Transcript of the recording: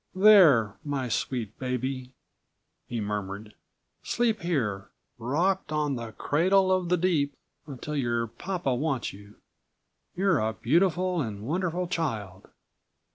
"There, my sweet baby," he murmured, "sleep here, rocked on the cradle of the deep, until your papa wants you. You're a beautiful and wonderful child!"